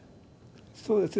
そうですね。